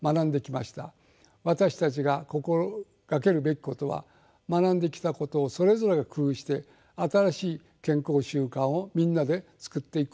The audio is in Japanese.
私たちが心掛けるべきことは学んできたことをそれぞれ工夫して「新しい健康習慣」をみんなで作っていくことです。